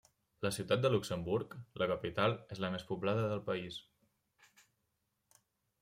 La Ciutat de Luxemburg, la capital, és la més poblada del país.